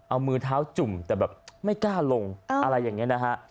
เอามือเท้าจุ่มแต่แบบไม่กล้าลงอะไรอย่างนี้นะฮะ